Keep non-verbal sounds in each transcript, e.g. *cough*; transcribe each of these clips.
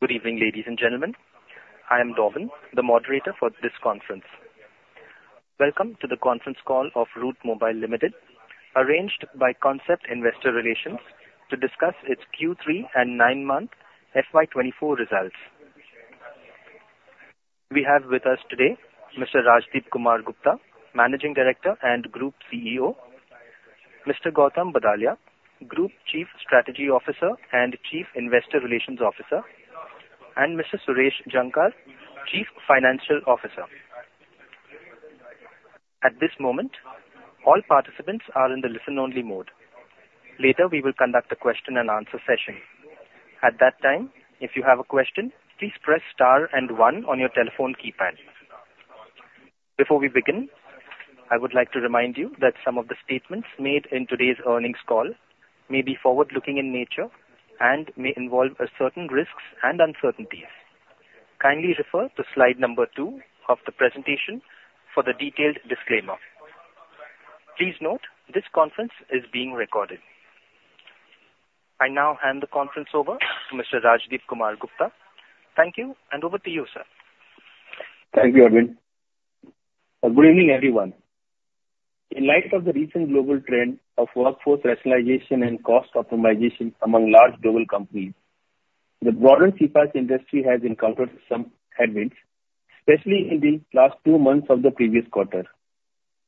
Good evening, ladies and gentlemen. I am Darwin, the moderator for this conference. Welcome to the conference call of Route Mobile Limited, arranged by Concept Investor Relations, to discuss its Q3 and nine-month FY 2024 results. We have with us today Mr. Rajdipkumar Gupta, Managing Director and Group CEO, Mr. Gautam Badalia, Group Chief Strategy Officer and Chief Investor Relations Officer, and Mr. Suresh Jankar, Chief Financial Officer. At this moment, all participants are in the listen-only mode. Later, we will conduct a question-and-answer session. At that time, if you have a question, please press star and one on your telephone keypad. Before we begin, I would like to remind you that some of the statements made in today's earnings call may be forward-looking in nature and may involve a certain risks and uncertainties. Kindly refer to slide number two of the presentation for the detailed disclaimer. Please note, this conference is being recorded. I now hand the conference over to Mr. Rajdipkumar Gupta. Thank you, and over to you, sir. Thank you, Darwin. Good evening, everyone. In light of the recent global trend of workforce rationalization and cost optimization among large global companies, the broader CPaaS industry has encountered some headwinds, especially in the last two months of the previous quarter.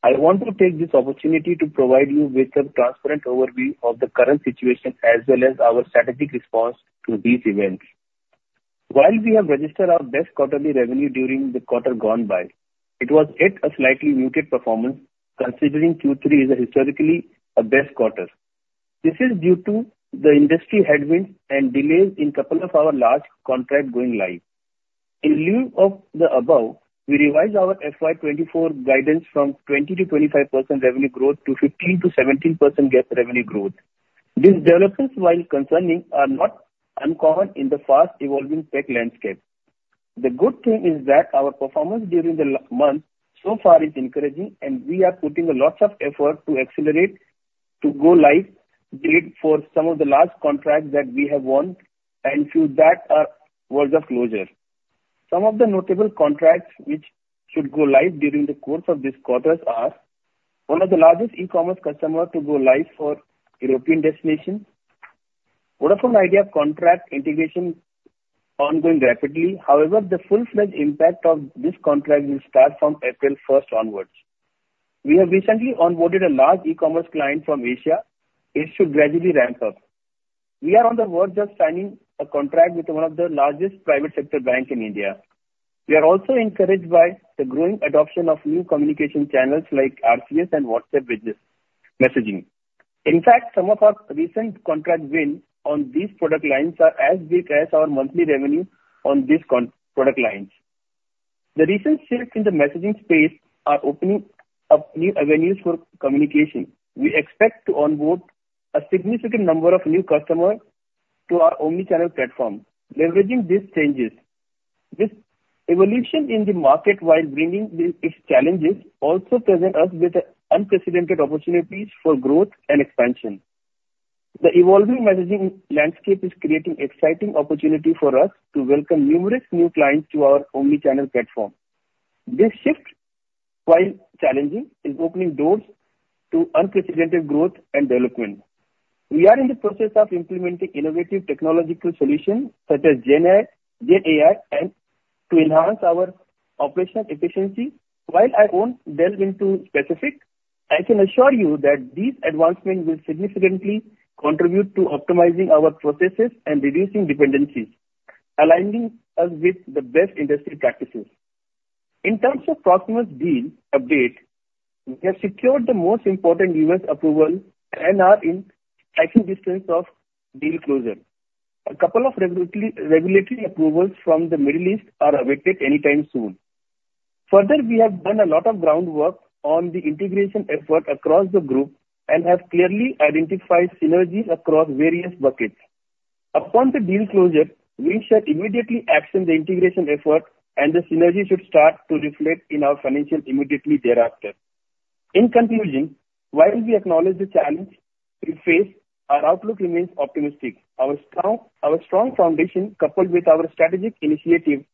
I want to take this opportunity to provide you with a transparent overview of the current situation, as well as our strategic response to these events. While we have registered our best quarterly revenue during the quarter gone by, it was yet a slightly muted performance, considering Q3 is historically a best quarter. This is due to the industry headwinds and delays in couple of our large contract going live. In lieu of the above, we revised our FY 2024 guidance from 20%-25% revenue growth to 15%-17% CAGR revenue growth. These developments, while concerning, are not uncommon in the fast-evolving tech landscape. The good thing is that our performance during the one-month so far is encouraging, and we are putting a lot of effort to accelerate to go live, bid for some of the large contracts that we have won, and to that, are towards the closure. Some of the notable contracts which should go live during the course of this quarter are: one of the largest e-commerce customer to go live for European destinations. Vodafone Idea contract integration ongoing rapidly. However, the full-fledged impact of this contract will start from April 1st onwards. We have recently onboarded a large e-commerce client from Asia. It should gradually ramp up. We are on the verge of signing a contract with one of the largest private sector bank in India. We are also encouraged by the growing adoption of new communication channels like RCS and WhatsApp Business messaging. In fact, some of our recent contract wins on these product lines are as big as our monthly revenue on these product lines. The recent shifts in the messaging space are opening up new avenues for communication. We expect to onboard a significant number of new customers to our omnichannel platform, leveraging these changes. This evolution in the market, while bringing these, its challenges, also present us with unprecedented opportunities for growth and expansion. The evolving messaging landscape is creating exciting opportunity for us to welcome numerous new clients to our omnichannel platform. This shift, while challenging, is opening doors to unprecedented growth and development. We are in the process of implementing innovative technological solutions such as Gen AI and to enhance our operational efficiency. While I won't delve into specifics, I can assure you that these advancements will significantly contribute to optimizing our processes and reducing dependencies, aligning us with the best industry practices. In terms of Proximus deal update, we have secured the most important U.S. approval and are in striking distance of deal closure. A couple of regulatory approvals from the Middle East are awaited anytime soon. Further, we have done a lot of groundwork on the integration effort across the group and have clearly identified synergies across various buckets. Upon the deal closure, we shall immediately action the integration effort, and the synergy should start to reflect in our financial immediately thereafter. In conclusion, while we acknowledge the challenge we face, our outlook remains optimistic. Our strong foundation, coupled with our strategic initiative,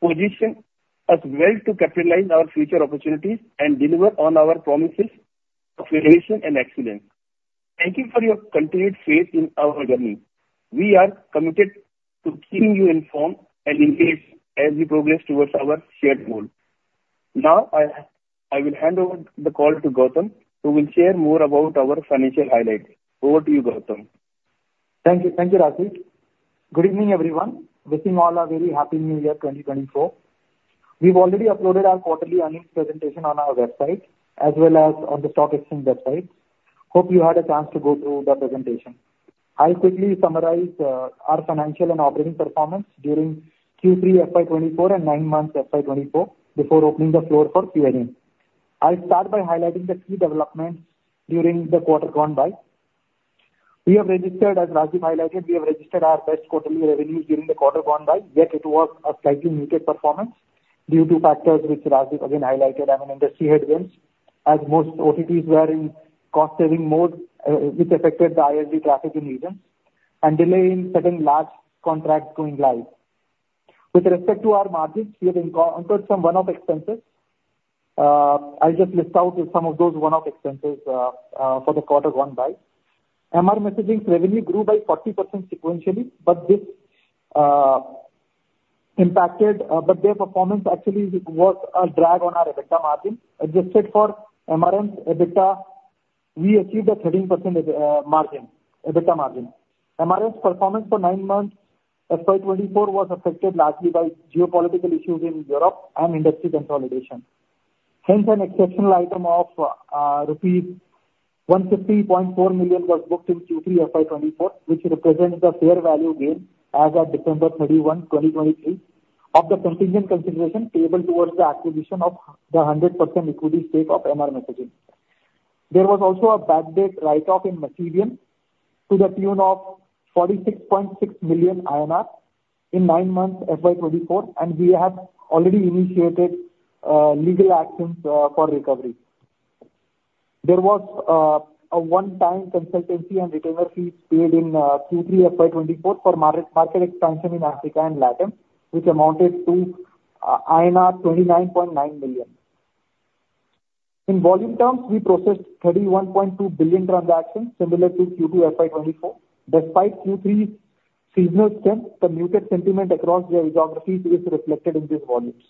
position us well to capitalize our future opportunities and deliver on our promises of innovation and excellence. Thank you for your continued faith in our journey. We are committed to keeping you informed and engaged as we progress towards our shared goal. Now, I will hand over the call to Gautam, who will share more about our financial highlights. Over to you, Gautam. Thank you. Thank you, Rajdip. Good evening, everyone. Wishing you all a very Happy New Year, 2024. We've already uploaded our quarterly earnings presentation on our website, as well as on the stock exchange website. Hope you had a chance to go through the presentation. I'll quickly summarize, our financial and operating performance during Q3 FY 2024 and nine months FY 2024 before opening the floor for Q&A. I'll start by highlighting the key developments during the quarter gone by. We have registered, as Rajdip highlighted, we have registered our best quarterly revenues during the quarter gone by, yet it was a slightly muted performance due to factors which Rajdip again highlighted, having industry headwinds as most OTTs were in cost saving mode, which affected the ILD traffic in region and delay in certain large contracts going live. With respect to our margins, we have encountered some one-off expenses. I'll just list out some of those one-off expenses for the quarter one by one. MR Messaging revenue grew by 40% sequentially, but this impacted, but their performance actually was a drag on our EBITDA margin. Adjusted for MRM's EBITDA, we achieved a 13% margin, EBITDA margin. MRM's performance for nine months, FY 2024, was affected largely by geopolitical issues in Europe and industry consolidation. Hence, an exceptional item of rupees 150.4 million was booked in Q3 FY 2024, which represents the fair value gain as of December 31, 2023, of the contingent consideration payable towards the acquisition of the 100% equity stake of MR Messaging. There was also a bad debt write-off in Masivian to the tune of 46.6 million INR in nine months, FY 2024, and we have already initiated legal actions for recovery. There was a one-time consultancy and retainer fees paid in Q3 FY 2024 for market expansion in Africa and Latin America, which amounted to INR 29.9 million. In volume terms, we processed 31.2 billion transactions, similar to Q2 FY 2024. Despite Q3 seasonal strength, the muted sentiment across the geographies is reflected in these volumes.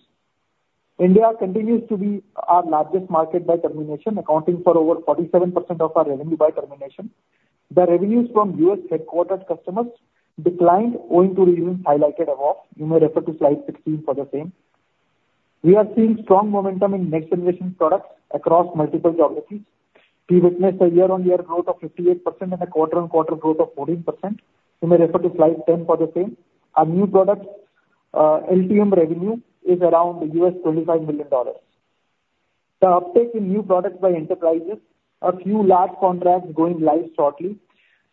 India continues to be our largest market by termination, accounting for over 47% of our revenue by termination. The revenues from U.S.-headquartered customers declined owing to reasons highlighted above. You may refer to slide 16 for the same. We are seeing strong momentum in next generation products across multiple geographies. We witnessed a year-on-year growth of 58% and a quarter-on-quarter growth of 14%. You may refer to slide 10 for the same. Our new product, LTM revenue, is around $25 million. The uptake in new products by enterprises, a few large contracts going live shortly,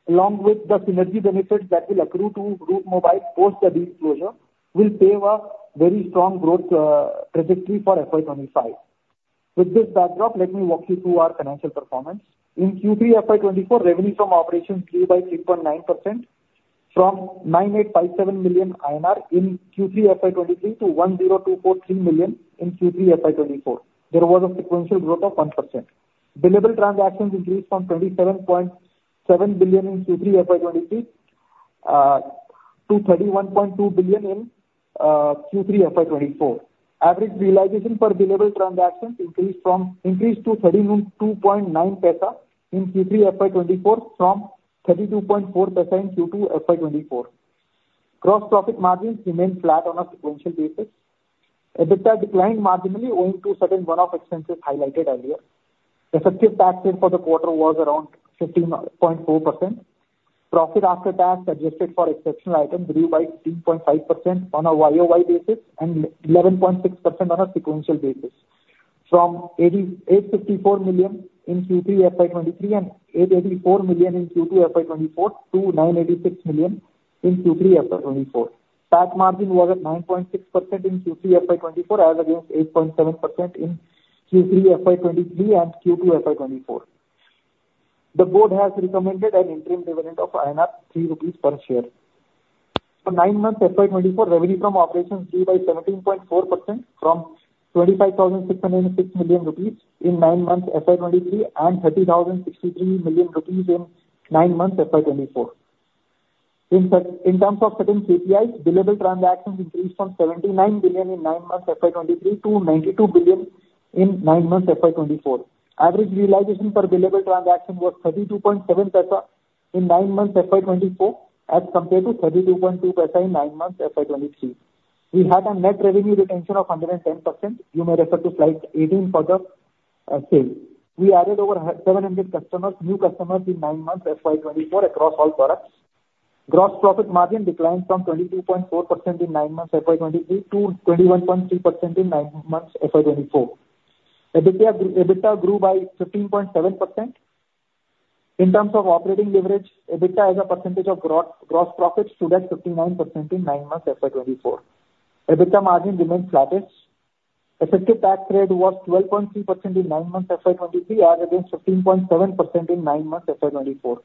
along with the synergy benefits that will accrue to Route Mobile post the closure, will pave a very strong growth trajectory for FY 2025. With this backdrop, let me walk you through our financial performance. In Q3 FY 2024, revenue from operations grew by 3.9% from 9,857 million INR in Q3 FY 2023 to 10,243 million INR in Q3 FY 2024. There was a sequential growth of 1%. Billable transactions increased from 27.7 billion in Q3 FY 2023 to 31.2 billion in Q3 FY 2024. Average realization per billable transactions increased to 32.9 paisa in Q3 FY 2024 from 32.4 paisa in Q2 FY 2024. Gross profit margins remained flat on a sequential basis. EBITDA declined marginally owing to certain one-off expenses highlighted earlier. Effective tax rate for the quarter was around 15.4%. Profit after tax, adjusted for exceptional items, grew by 3.5% on a year-over-year basis and 11.6% on a sequential basis. From 88.54 million in Q3 FY 2023 and 88.4 million in Q2 FY 2024 to 98.6 million in Q3 FY 2024. Tax margin was at 9.6% in Q3 FY 2024, as against 8.7% in Q3 FY 2023 and Q2 FY 2024. The board has recommended an interim dividend of 3 rupees per share. For nine months FY 2024, revenue from operations grew by 17.4% from 25,606 million rupees in nine months FY 2023 and 30,063 million rupees in nine months FY 2024. In terms of certain KPIs, billable transactions increased from 79 billion in nine months FY 2023 to 92 billion in nine months FY 2024. Average realization per billable transaction was INR 0.327 in nine months FY 2024, as compared to INR 0.322 in nine months FY 2023. We had a net revenue retention of 110%. You may refer to slide 18 for the same. We added over 700 customers, new customers, in nine months FY 2024 across all products. Gross profit margin declined from 22.4% in nine months FY 2023 to 21.3% in nine months FY 2024. EBITDA grew by 15.7%. In terms of operating leverage, EBITDA as a percentage of gross profits stood at 59% in nine months FY 2024. EBITDA margin remains flattish. Effective tax rate was 12.3% in nine months FY 2023, as against 15.7% in nine months FY 2024.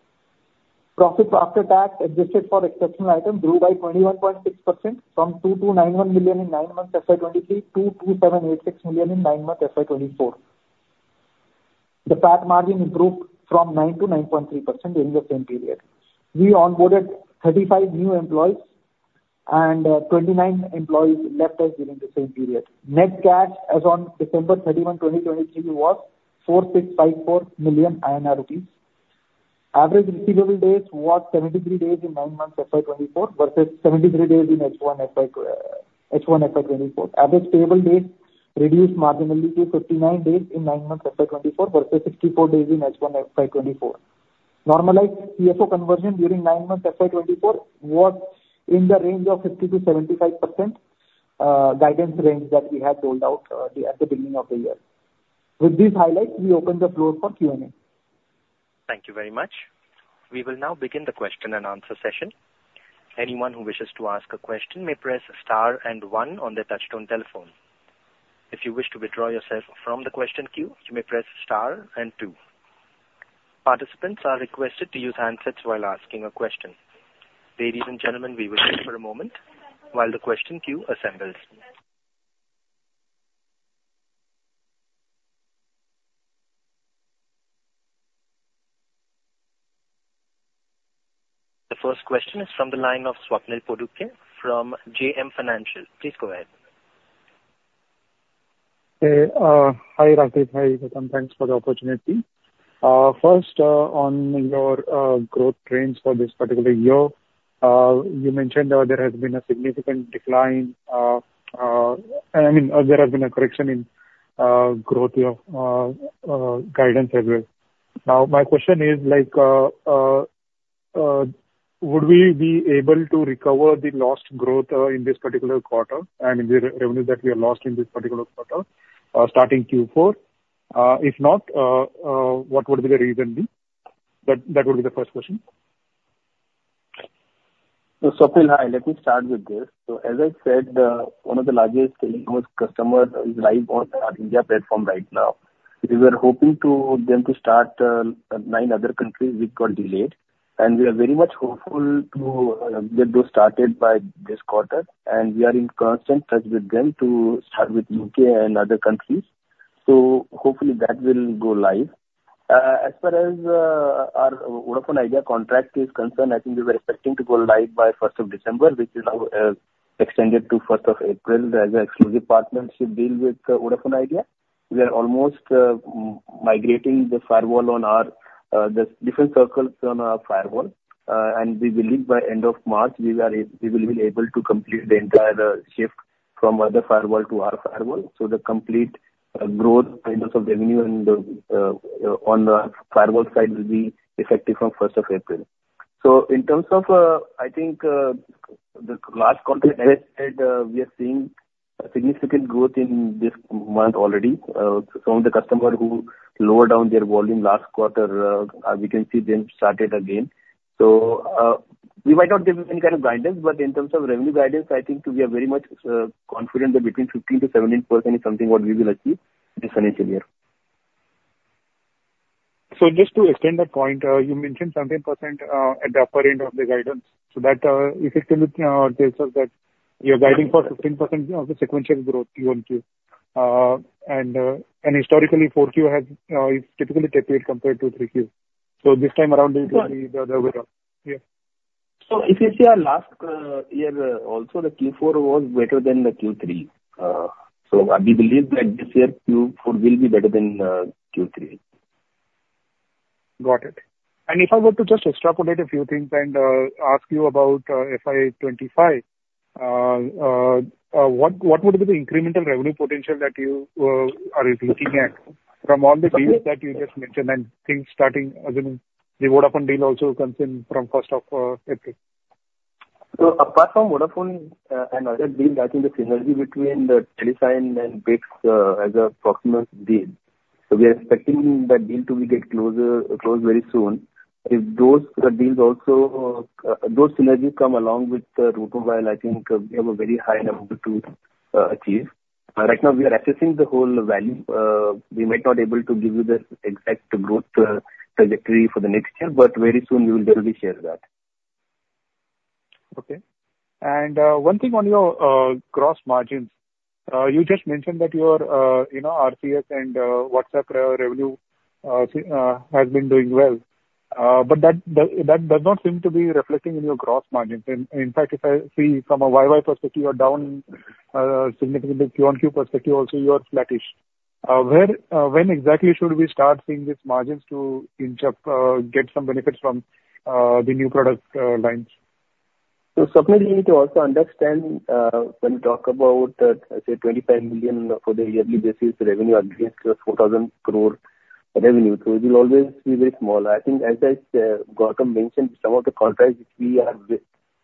Profit after tax, adjusted for exceptional items, grew by 21.6% from 2,291 million in nine months FY 2023 to 2,786 million in nine months FY 2024. The tax margin improved from 9%-9.3% during the same period. We onboarded 35 new employees, and twenty-nine employees left us during the same period. Net cash as on December 31, 2023, was 4,654 million. Average receivable days was 73 days in nine months FY 2024, versus 73 days in H1 FY 2024. Average payable days reduced marginally to 59 days in nine months FY 2024, versus 64 days in H1 FY 2024. Normalized OCF conversion during nine months FY 2024 was in the range of 50%-75%, guidance range that we had rolled out at the beginning of the year. With these highlights, we open the floor for Q&A. Thank you very much. We will now begin the question-and-answer session. Anyone who wishes to ask a question may press star and one on their touchtone telephone. If you wish to withdraw yourself from the question queue, you may press star and two. Participants are requested to use handsets while asking a question. Ladies and gentlemen, we will wait for a moment while the question queue assembles. The first question is from the line of Swapnil Potdukhe from JM Financial. Please go ahead. Hey, hi, Rajdip, hi, Gautam. Thanks for the opportunity. First, on your growth trends for this particular year, you mentioned that there has been a significant decline. I mean, there has been a correction in growth year guidance as well. Now, my question is, like, would we be able to recover the lost growth in this particular quarter and the revenue that we have lost in this particular quarter starting Q4? If not, what would the reason be? That would be the first question. So Swapnil, hi, let me start with this. So, as I said, one of the largest telcos customer is live on our India platform right now. We were hoping to them to start nine other countries, which got delayed, and we are very much hopeful to get those started by this quarter, and we are in constant touch with them to start with U.K. and other countries. So hopefully that will go live. As far as our Vodafone Idea contract is concerned, I think we were expecting to go live by 1st of December, which is now extended to 1st of April as an exclusive partnership deal with Vodafone Idea. We are almost migrating the firewall on our the different circles on our firewall. And we believe by end of March, we will be able to complete the entire shift from other firewall to our firewall. So the complete growth in terms of revenue and on the firewall side will be effective from 1st of April. So in terms of, I think, the last quarter, as I said, we are seeing a significant growth in this month already from the customer who lower down their volume last quarter, as we can see, them started again. So we might not give any kind of guidance, but in terms of revenue guidance, I think we are very much confident that between 15%-17% is something what we will achieve this financial year. So just to extend that point, you mentioned 17% at the upper end of the guidance. So that effectively tells us that you're guiding for 15% of the sequential growth Q and Q. And historically, 4Q has is typically tapered compared to 3Q. So this time around, it will be the other way around. Yeah. If you see our last year, also the Q4 was better than the Q3. We believe that this year's Q4 will be better than Q3. Got it. And if I were to just extrapolate a few things and ask you about FY 25, what would be the incremental revenue potential that you are looking at from all the deals that you just mentioned, and things starting as in the Vodafone deal also comes in from 1st of April? So apart from Vodafone and other deals, I think the synergy between the Telesign and BICS as a Proximus deal. So we are expecting that deal to be get closed very soon. If those deals also, those synergies come along with Route Mobile, I think we have a very high number to achieve. Right now we are assessing the whole value. We might not able to give you the exact growth trajectory for the next year, but very soon we will definitely share that. Okay. One thing on your gross margins. You just mentioned that your, you know, RCS and WhatsApp revenue has been doing well, but that does not seem to be reflecting in your gross margins. In fact, if I see from a YY perspective, you are down significantly. QoQ perspective also, you are flattish. Where, when exactly should we start seeing these margins to inch up, get some benefits from the new product lines? So Swapnil, you need to also understand, when we talk about, say, 25 million for the yearly basis revenue against 4,000 crore revenue, so it will always be very small. I think as I, Gautam mentioned, some of the contracts which we have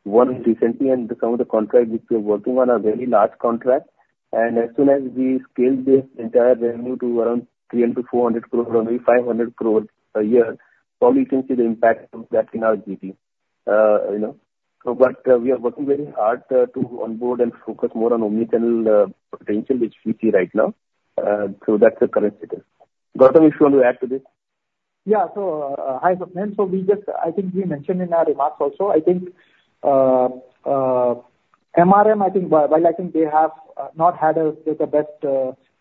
won recently and some of the contracts which we're working on, are very large contracts, and as soon as we scale this entire revenue to around 300 crore-400 crore, only 500 crore a year, probably you can see the impact of that in our GP, you know. But, we are working very hard, to onboard and focus more on omnichannel potential, which we see right now. So that's the current status. Gautam, if you want to add to this? Yeah. So, hi, Swapnil. So we just. I think we mentioned in our remarks also, I think, MRM, I think, while, while I think they have not had the best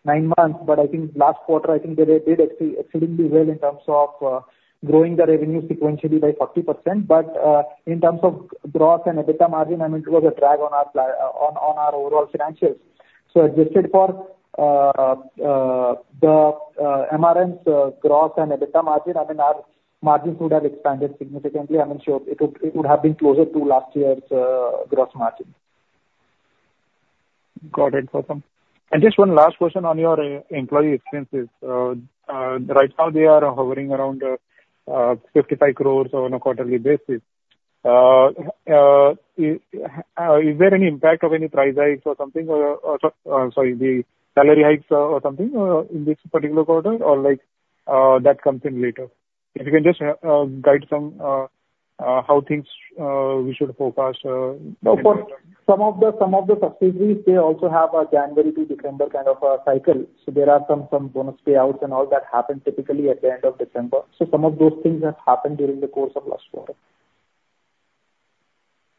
nine months, but I think last quarter, I think they did exceedingly well in terms of growing the revenue sequentially by 40%. But in terms of growth and EBITDA margin, I mean, it was a drag on our overall financials. So adjusted for the MRM's growth and EBITDA margin, I mean, our margins would have expanded significantly. I mean, sure, it would have been closer to last year's gross margin. Got it, Gautam. Just one last question on your employee expenses. Right now they are hovering around 55 crore on a quarterly basis. Is there any impact of any price hikes or something or, sorry, the salary hikes, or something, in this particular quarter, or like, that comes in later? If you can just guide some how things we should forecast. No, for some of the subsidiaries, they also have a January to December kind of cycle, so there are some bonus payouts and all that happen typically at the end of December. So some of those things have happened during the course of last quarter.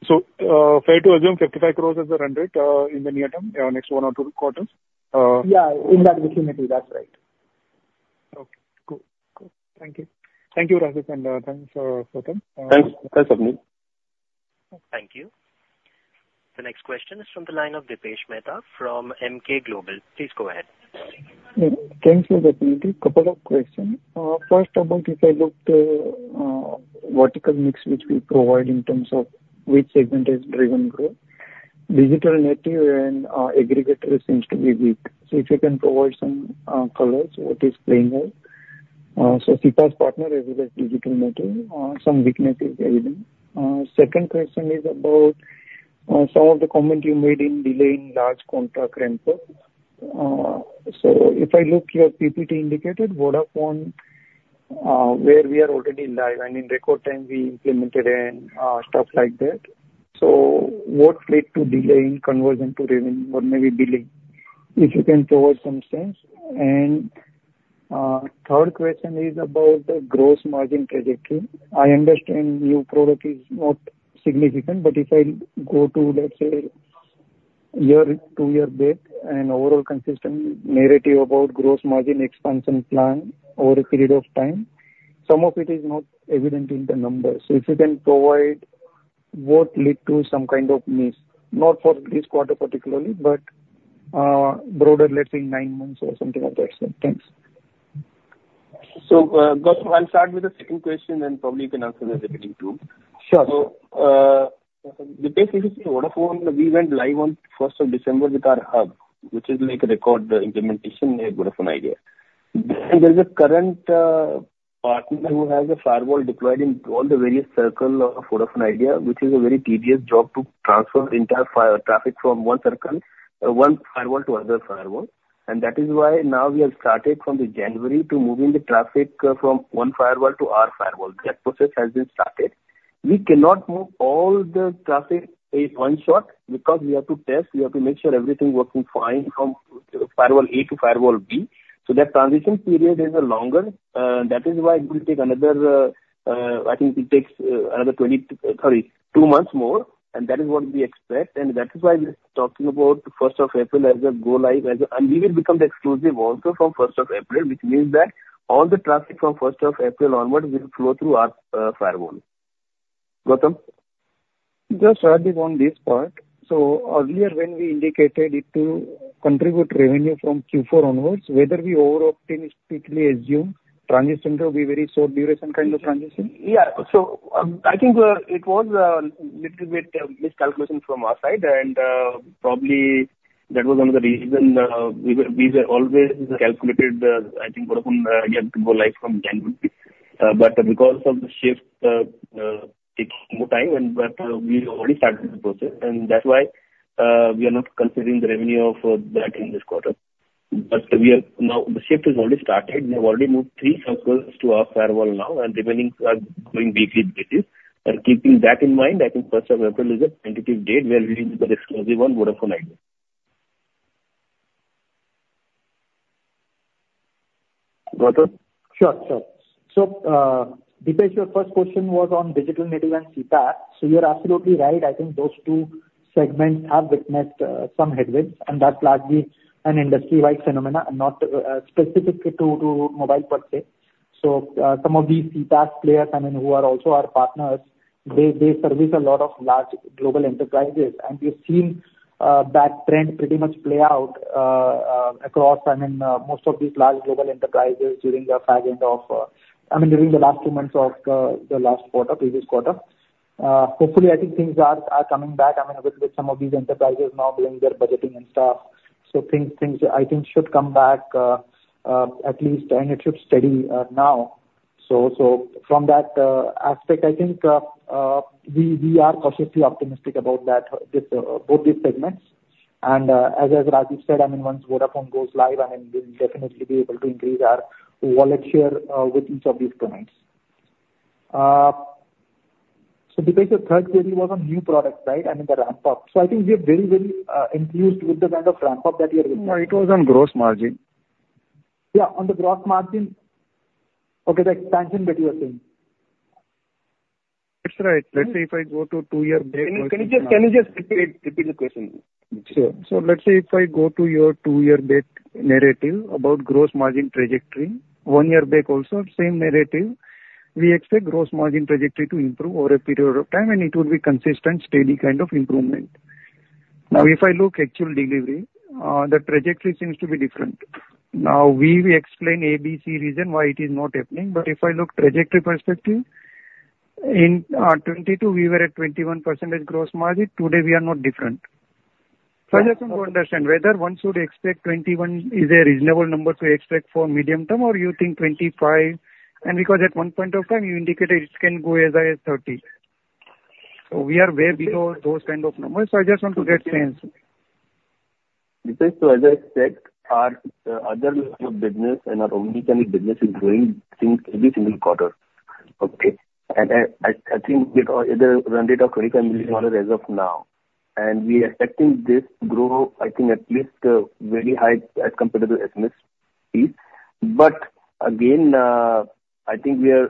Fair to assume 55 crore is the run rate in the near term, next one or two quarters? Yeah, in that vicinity. That's right. Okay, cool. Cool. Thank you. Thank you, Rajdip, and thanks. Thanks. Thanks, Abhinav. Thank you. The next question is from the line of Dipesh Mehta from Emkay Global. Please go ahead. Thank you, Dipesh. Couple of questions. First about if I look to vertical mix which we provide in terms of which segment is driven growth, digital native, and aggregator seems to be weak. So if you can provide some colors, what is playing out? So CPaaS partner, as well as digital native, some weakness is evident. Second question is about some of the comment you made in delaying large contract ramp up. So if I look, your PPT indicated Vodafone, where we are already live, and in record time we implemented and stuff like that. So what led to delay in conversion to revenue, or maybe billing? If you can provide some sense. And third question is about the gross margin trajectory. I understand new product is not significant, but if I go to, let's say, year, two year back and overall consistent narrative about gross margin expansion plan over a period of time, some of it is not evident in the numbers. So if you can provide what led to some kind of miss, not for this quarter particularly, but broader, let's say nine months or something like that. So thanks. Gautam, I'll start with the second question, and probably you can answer the first question, too. Sure. Dipesh, in Vodafone, we went live on 1st of December with our hub, which is like a record implementation in Vodafone Idea. Then there's a current partner who has a firewall deployed in all the various circle of Vodafone Idea, which is a very tedious job to transfer the entire traffic from one circle, one firewall to another firewall. And that is why now we have started from the January to moving the traffic from one firewall to our firewall. That process has been started. We cannot move all the traffic in one shot because we have to test, we have to make sure everything working fine from firewall A to firewall B. So that transition period is a longer, that is why it will take another, I think it takes, another 20, sorry, two months more, and that is what we expect, and that is why we're talking about 1st of April as a go live as a. And we will become the exclusive also from 1st of April, which means that all the traffic from 1st of April onwards will flow through our firewall. Gautam? Just adding on this part. So earlier, when we indicated it to contribute revenue from Q4 onwards, whether we over-optimistically assumed transition will be very short duration kind of transition? Yeah. So, I think it was little bit miscalculation from our side, and probably that was one of the reason we were always calculated, I think Vodafone Idea yet to go live from January. But because of the shift taking more time, but we already started the process, and that's why we are not considering the revenue of that in this quarter. But now the shift is already started. We have already moved three circles to our firewall now, and remaining are going bit by bit. Keeping that in mind, I think 1st of April is a tentative date where we will be exclusive on Vodafone Idea. Gautam? Sure. Sure. So, Dipesh, your first question was on digital native and CPaaS. So you are absolutely right. I think those two segments have witnessed some headwinds, and that's largely an industry-wide phenomena and not specific to mobile per se. So, some of these CPaaS players, I mean, who are also our partners, they service a lot of large global enterprises. And we've seen that trend pretty much play out across, I mean, most of these large global enterprises during the second half of, I mean, during the last two months of the last quarter, previous quarter. Hopefully, I think things are coming back. I mean, with some of these enterprises now doing their budgeting and stuff, so things I think should come back, at least, and it should steady now. So from that aspect, I think we are cautiously optimistic about that, this both these segments. And as Rajdip said, I mean, once Vodafone goes live, I mean, we'll definitely be able to increase our wallet share with each of these clients. So Dipesh, your third query was on new products, right? I mean, the ramp up. So I think we are very, very enthused with the kind of ramp up that we are looking. No, it was on gross margin. Yeah, on the gross margin. Okay, the expansion that you are saying. That's right. Let's say if I go to two-year back. Can you just repeat the question? Sure. So let's say if I go to your two-year back narrative about gross margin trajectory, one year back also, same narrative: We expect gross margin trajectory to improve over a period of time, and it will be consistent, steady kind of improvement. Now, if I look actual delivery, the trajectory seems to be different. Now, we will explain A, B, C reason why it is not happening, but if I look trajectory perspective, in 2022, we were at 21% gross margin. Today, we are not different. So I just want to understand whether one should expect 21 is a reasonable number to expect for medium term, or you think 25, and because at one point of time, you indicated it can go as high as 30. So we are way below those kind of numbers, so I just want to get sense. Because so as I said, our other line of business and our omnichannel business is growing, I think, every single quarter. Okay? And, I think we are at a run rate of $25 million as of now, and we are expecting this to grow, I think, at least, very high as comparable as SMS fee. But again, I think we are,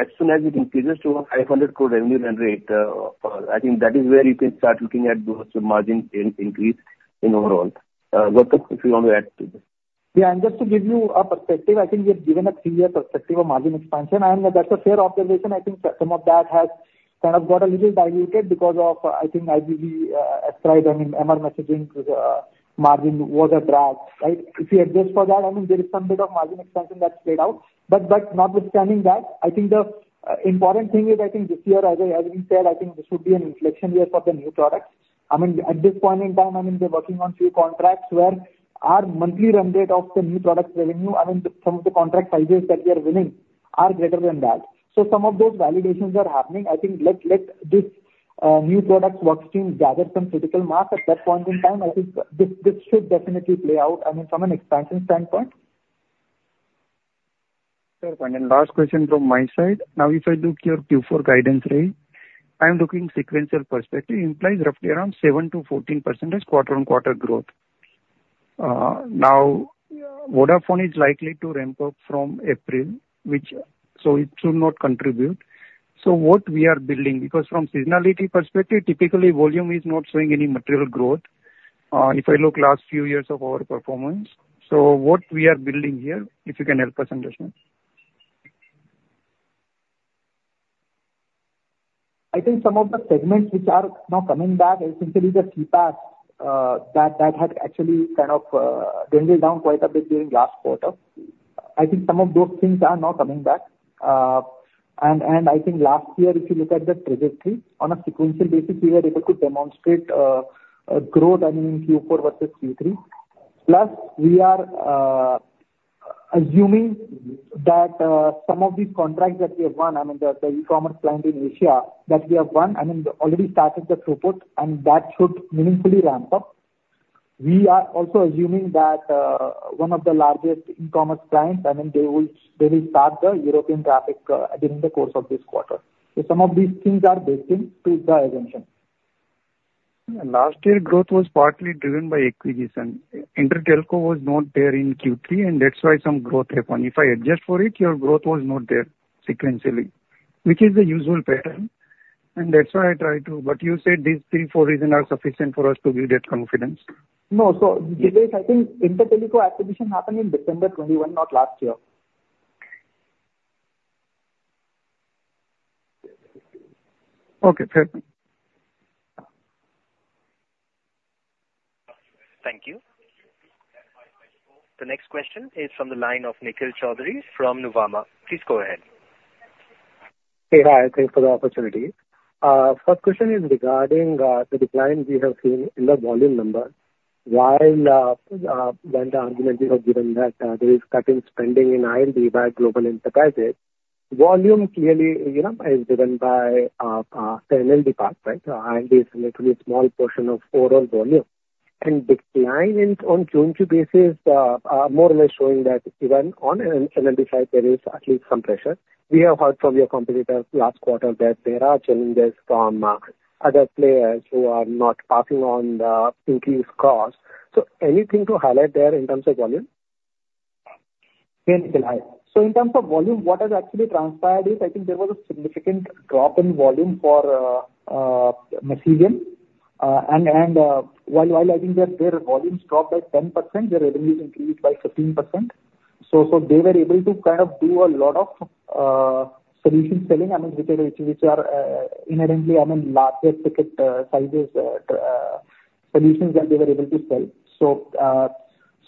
as soon as it increases to 500 crore revenue run rate, I think that is where you can start looking at those margin gains increase in overall. Gautam, if you want to add to this. Yeah, and just to give you a perspective, I think we have given a clear perspective of margin expansion, and that's a fair observation. I think some of that has kind of got a little diluted because of, I think, ILD aside, I mean, MR Messaging margin was a drag, right? If you adjust for that, I mean, there is some bit of margin expansion that's played out, but notwithstanding that, I think the important thing is, I think this year, as we said, I think this would be an inflection year for the new products. I mean, at this point in time, I mean, they're working on few contracts where our monthly run rate of the new products revenue, I mean, some of the contract sizes that we are winning are greater than that. So some of those validations are happening. I think, let this new products work stream gather some critical mass. At that point in time, I think this should definitely play out, I mean, from an expansion standpoint. Fair point. And last question from my side. Now, if I look at your Q4 guidance right, I am looking sequential perspective implies roughly around 7%-14% quarter-on-quarter growth. Now, Vodafone is likely to ramp up from April, which. so it should not contribute. So what we are building, because from seasonality perspective, typically volume is not showing any material growth, if I look last few years of our performance. So what we are building here, if you can help us understand? I think some of the segments which are now coming back, essentially the CPaaS, that had actually kind of dwindled down quite a bit during last quarter. I think some of those things are now coming back. And I think last year, if you look at the trajectory, on a sequential basis, we were able to demonstrate a growth, I mean, in Q4 versus Q3. Plus, we are assuming that some of these contracts that we have won, I mean the e-commerce client in Asia that we have won, I mean, already started the throughput, and that should meaningfully ramp up. We are also assuming that one of the largest e-commerce clients, I mean, they will start the European traffic during the course of this quarter. So some of these things are building to the expectation. Last year, growth was partly driven by acquisition. Interteleco was not there in Q3, and that's why some growth happened. If I adjust for it, your growth was not there sequentially, which is a usual pattern, and that's why I try to. But you said these three, four reasons are sufficient for us to build that confidence. No. So Dipesh, I think Interteleco acquisition happened in December 2021, not last year. Okay, fair. Thank you. The next question is from the line of Nikhil Choudhary from Nuvama. Please go ahead. Hey. Hi, thanks for the opportunity. First question is regarding the decline we have seen in the volume number. While one argument you have given that there is cut in spending in ILD by global enterprises, volume clearly, you know, is driven by in the past, right? So ILD is only a small portion of overall volume, and decline in, on Q2 basis, more or less showing that even on an ILD side, there is at least some pressure. We have heard from your competitors last quarter that there are challenges from other players who are not passing on the increased costs. So anything to highlight there in terms of volume? Yeah, Nikhil. So in terms of volume, what has actually transpired is I think there was a significant drop in volume for Mexico. While I think that their volumes dropped by 10%, their revenues increased by 15%. So they were able to kind of do a lot of solution selling, I mean, which are inherently larger ticket sizes solutions that they were able to sell.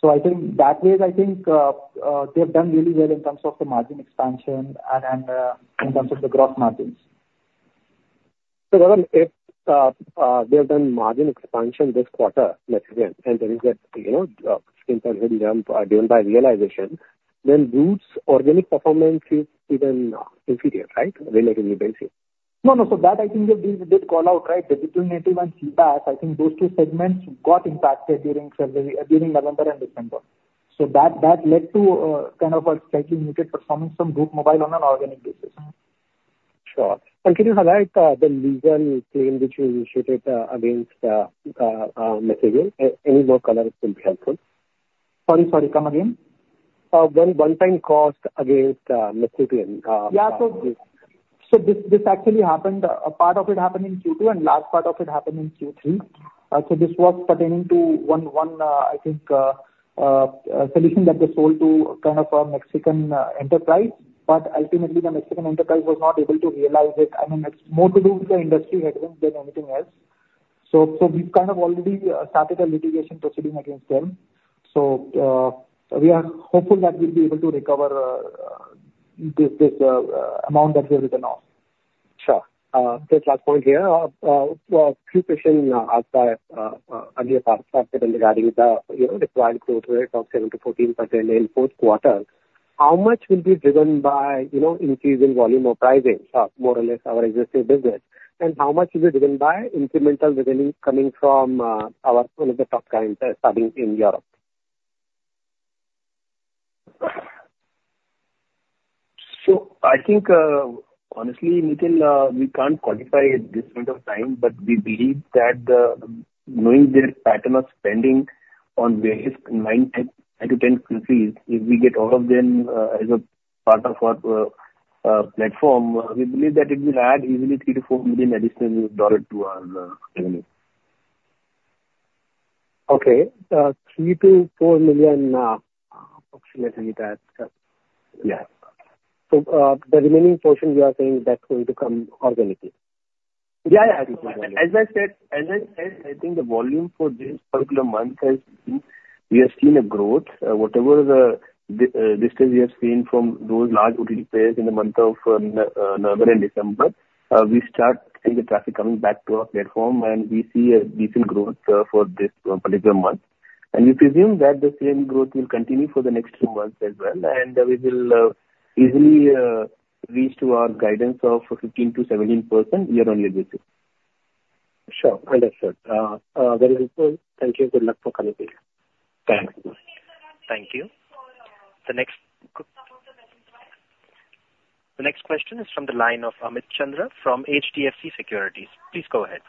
So I think that way, I think they've done really well in terms of the margin expansion and in terms of the gross margins. So if they've done margin expansion this quarter, Masivian, and there is a, you know, jump driven by realization, then Route's organic performance is even inferior, right? Relatively basic. No, no. So that I think we, we did call out, right? Digital Native and CPaaS, I think those two segments got impacted during February, during November and December. So that, that led to, kind of a slightly muted performance from Route Mobile on an organic basis. Sure. And can you highlight the legal claim which you initiated against Masivian? Any more color will be helpful. Sorry, sorry. Come again? The one-time cost against Masivian, Yeah. So this actually happened, a part of it happened in Q2, and large part of it happened in Q3. So this was pertaining to one, I think, solution that they sold to kind of a Masivian enterprise, but ultimately, the Masivian enterprise was not able to realize it. I mean, it's more to do with the industry than anything else. So we've kind of already started a litigation proceeding against them. So we are hopeful that we'll be able to recover. This, this, amount that there is a loss. Sure. Just last point here, well, a few question asked by earlier regarding the, you know, required growth rate of 7%-14% in fourth quarter. How much will be driven by, you know, increasing volume or pricing of more or less our existing business, and how much is it driven by incremental revenue coming from, our, one of the top clients starting in Europe? So I think, honestly, Nikhil, we can't quantify at this point of time, but we believe that the, knowing their pattern of spending on various nine to 10 countries, if we get all of them as a part of our platform, we believe that it will add easily $3 million-$4 million additional dollars to our revenue. Okay. 3-4 million, approximately that, yeah. So, the remaining portion you are saying that's going to come organically? Yeah, yeah. As I said, as I said, I think the volume for this particular month has been, we have seen a growth. Whatever the distance we have seen from those large OTT players in the month of November and December, we start seeing the traffic coming back to our platform, and we see a decent growth for this particular month. And we presume that the same growth will continue for the next two months as well, and we will easily reach to our guidance of 15%-17% year-on-year basis. Sure. Understood. Very helpful. Thank you. Good luck for quarter. Thank you. Thank you. The next question is from the line of Amit Chandra from HDFC Securities. Please go ahead.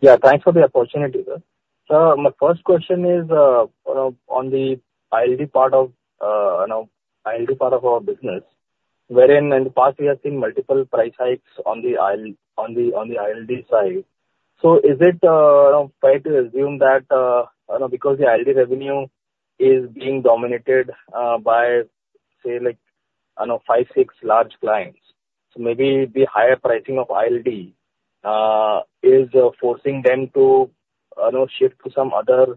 Yeah, thanks for the opportunity, sir. Sir, my first question is on the ILD part of our business, wherein in the past we have seen multiple price hikes on the IL, on the ILD side. So is it fair to assume that because the ILD revenue is being dominated by, say, like, I know, five, six large clients, so maybe the higher pricing of ILD is forcing them to shift to some other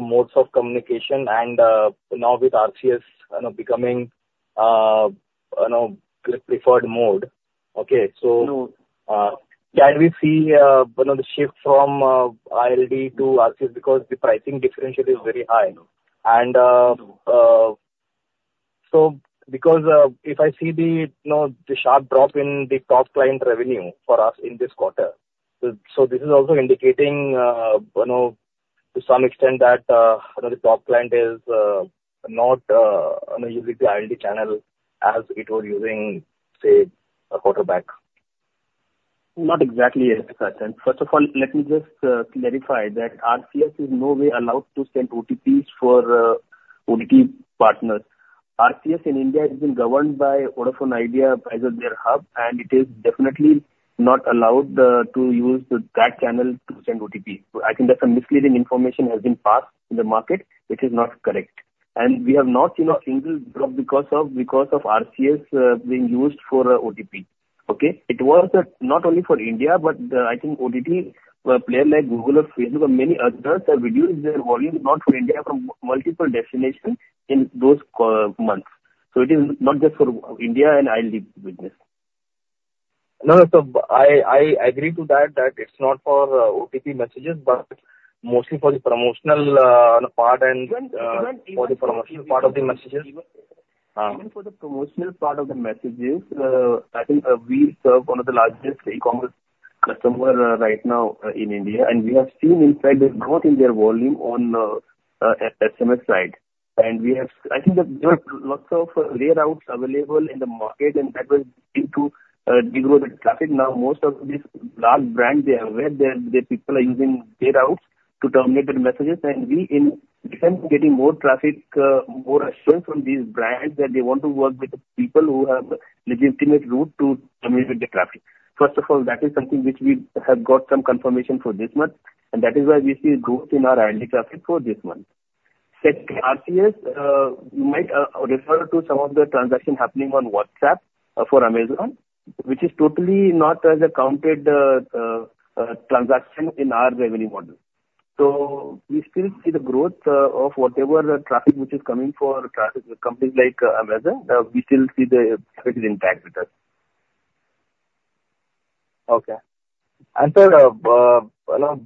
modes of communication and now with RCS becoming preferred mode. Okay, so- No. Can we see, you know, the shift from ILD to RCS because the pricing differential is very high? No. So, because if I see, you know, the sharp drop in the top line revenue for us in this quarter, so this is also indicating, you know, to some extent that, you know, the top client is not, you know, using the ILD channel as it was using, say, a quarter back. Not exactly, yes. First of all, let me just clarify that RCS is no way allowed to send OTPs for OTT partners. RCS in India has been governed by Vodafone Idea as their hub, and it is definitely not allowed to use that channel to send OTP. So I think that's a misleading information has been passed in the market. It is not correct. And we have not seen a single drop because of RCS being used for OTP. Okay? It was not only for India, but I think OTT player like Google or Facebook or many others have reduced their volume, not for India, from multiple destinations in those quarters. So it is not just for India and ILD business. No, no, so I agree to that, it's not for OTP messages, but mostly for the promotional part and. Even, even. For the promotional part of the messages. Even for the promotional part of the messages, I think, we serve one of the largest e-commerce customers right now in India, and we have seen massive growth in their volume on the SMS side. I think that there are lots of grey routes available in the market, and that was due to the traffic. Now, most of these large brands, they are aware that their people are using their routes to terminate the messages, and we in return getting more traffic, more assurance from these brands that they want to work with the people who have legitimate route to terminate the traffic. First of all, that is something which we have got some confirmation for this month, and that is why we see growth in our ILD traffic for this month. Second, RCS, you might refer to some of the transactions happening on WhatsApp for Amazon, which is totally not accounted transaction in our revenue model. So we still see the growth of whatever the traffic which is coming for traffic companies like Amazon, we still see the positive impact with that. Okay. And sir, you know,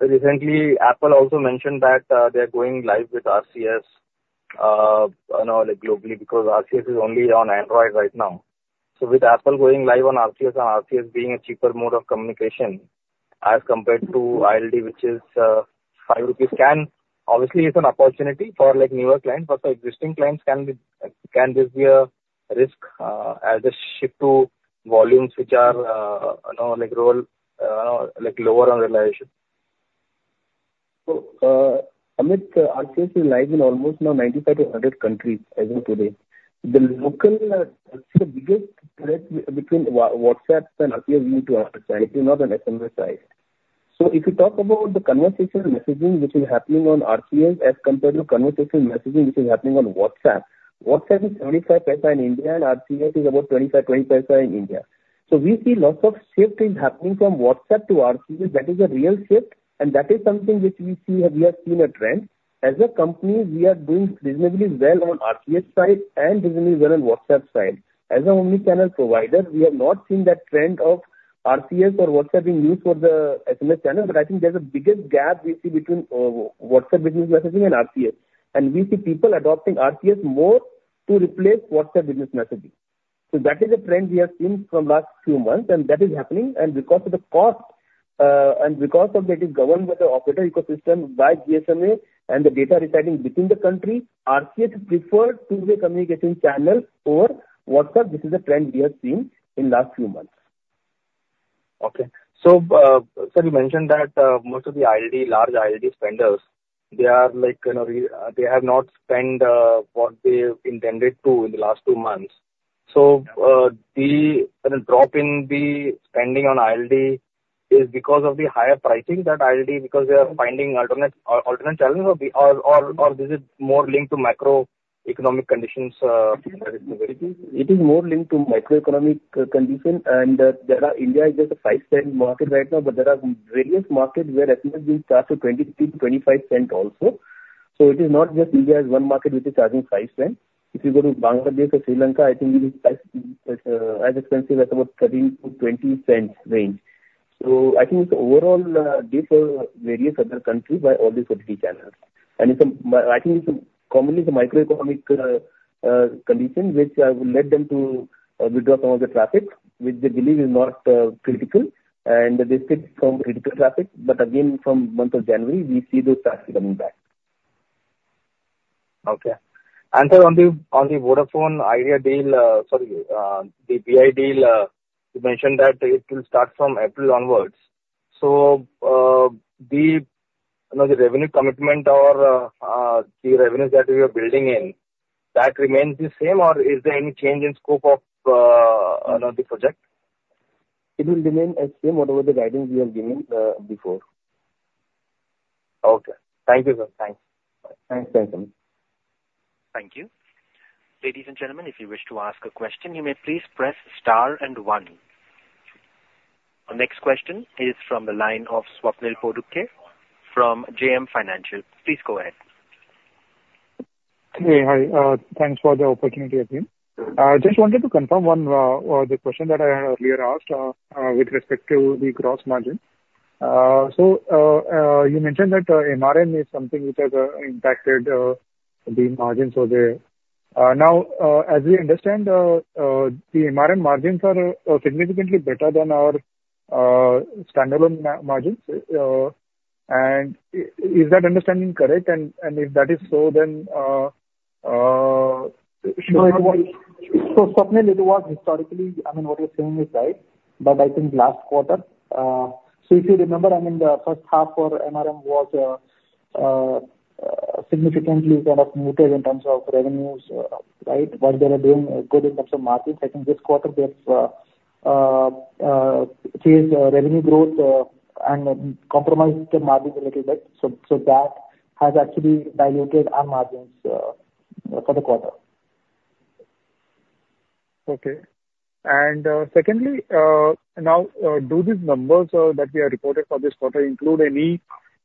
recently, Apple also mentioned that, they are going live with RCS, you know, like, globally, because RCS is only on Android right now. So with Apple going live on RCS and RCS being a cheaper mode of communication as compared to ILD, which is, 5 rupees can, obviously it's an opportunity for, like, newer clients. But the existing clients can be, can this be a risk, as they shift to volumes which are, you know, like role, like, lower on realization? Amit, RCS is live in almost now 95-100 countries as of today. The local, the biggest threat between WhatsApp and RCS is to understand, it is not an SMS size. So if you talk about the conversational messaging, which is happening on RCS as compared to conversational messaging, which is happening on WhatsApp, WhatsApp is 0.25 in India and RCS is about 0.25-0.20 in India. So we see lots of shift is happening from WhatsApp to RCS. That is a real shift, and that is something which we see, we have seen a trend. As a company, we are doing reasonably well on RCS side and reasonably well on WhatsApp side. As an omnichannel provider, we have not seen that trend of RCS or WhatsApp being used for the SMS channel, but I think there's a biggest gap we see between WhatsApp Business messaging and RCS. And we see people adopting RCS more to replace WhatsApp Business messaging. So that is a trend we have seen from last few months, and that is happening. And because of the cost, and because of that, it is governed by the operator ecosystem by GSMA and the data residing within the country, RCS is preferred two-way communication channel over WhatsApp. This is a trend we have seen in last few months. Okay. So, you mentioned that most of the ILD large ILD spenders, they are like, you know, they have not spent what they have intended to in the last two months. So, the drop in the spending on ILD is because of the higher pricing in ILD, because they are finding alternate channels or this is more linked to macroeconomic conditions that are available? It is more linked to macroeconomic condition. There are India is just a $0.05 market right now, but there are various markets where SMS being charged to $0.20-$0.25 also. It is not just India as one market which is charging $0.05. If you go to Bangladesh or Sri Lanka, I think it is priced as expensive as about 13-20 cents range. I think it's overall different various other countries by all the omnichannel. It is a common to the macroeconomic condition which led them to withdraw some of the traffic, which they believe is not critical, and they stick to critical traffic. But again, from month of January, we see those traffic coming back. Okay. And, sir, on the Vodafone Idea deal, sorry, the Vi deal, you mentioned that it will start from April onwards. So, you know, the revenue commitment or the revenues that you are building in, that remains the same or is there any change in scope of, you know, the project? It will remain as same whatever the guidance we have given, before. Okay. Thank you, sir. Thanks. Thanks. Thanks. Thank you. Ladies and gentlemen, if you wish to ask a question, you may please press star and one. Our next question is from the line of Swapnil Potdukhe from JM Financial. Please go ahead. Hey, hi. Thanks for the opportunity again. I just wanted to confirm one, the question that I had earlier asked, with respect to the gross margin. So, you mentioned that, MRM is something which has, impacted, the margins over there. Now, as we understand, the MRM margins are, significantly better than our, standalone margins. And is that understanding correct? And, if that is so, then, should. So, Swapnil, it was historically, I mean, what you're saying is right, but I think last quarter. So if you remember, I mean, the first half for MRM was significantly kind of muted in terms of revenues, right? But they are doing good in terms of margins. I think this quarter they've changed revenue growth, and compromised the margins a little bit. So, so that has actually diluted our margins for the quarter. Okay. And, secondly, now, do these numbers that we reported for this quarter include any